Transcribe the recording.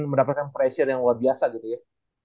mendapatkan pressure yang luar biasa gitu ya